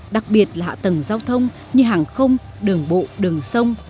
đặc biệt là hạ tầng giao thông như hàng không đường bộ đường sông